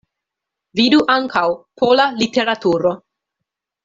Vidu ankaŭ: Pola literaturo.